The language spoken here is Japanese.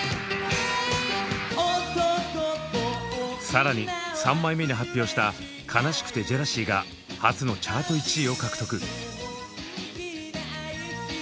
更に３枚目に発表した「哀しくてジェラシー」が初のチャート１位を獲得。